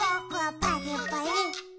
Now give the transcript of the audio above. パリッパリ。